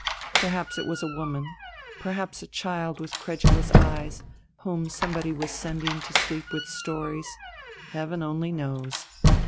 Perhaps it was a woman, perhaps a child with credulous eyes, whom somebody was sending to sleep with stories heaven only knows.